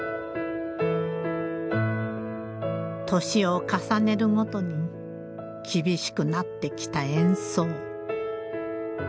年を重ねるごとに厳しくなってきた演奏。